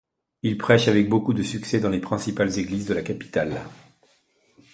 Il prêche avec beaucoup de succès dans les principales églises de la capitale.